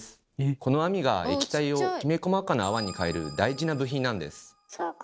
この網が液体をきめ細かな泡に変える大事な部品なんです。